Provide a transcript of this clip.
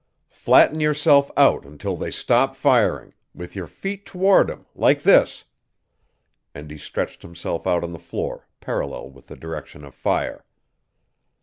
Flatten yourself out until they stop firing, with your feet toward 'em, like this," and he stretched himself out on the floor, parallel with the direction of fire.